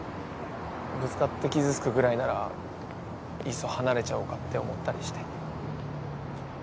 ぶつかって傷つくぐらいならいっそ離れちゃおうかって思ったりして？